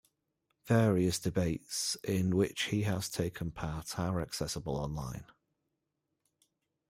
Various debates in which he has taken part are accessible online.